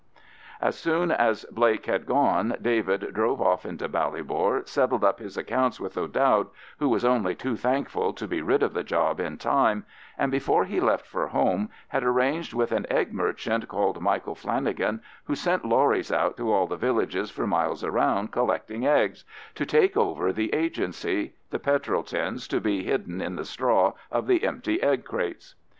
As soon as Blake had gone David drove off into Ballybor, settled up his accounts with O'Dowd, who was only too thankful to be rid of the job in time, and before he left for home had arranged with an egg merchant called Michael Flanagan, who sent lorries out to all the villages for miles around collecting eggs, to take over the agency, the petrol tins to be hidden in the straw of the empty egg crates.